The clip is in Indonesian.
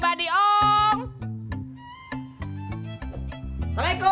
iya dia yang pega